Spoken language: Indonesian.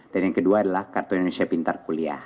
dan yang kedua adalah kartu indonesia pintar kuliah